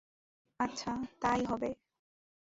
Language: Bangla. আচ্ছা, তাই হবে!